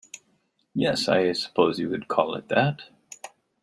Yes, I suppose you could call it that.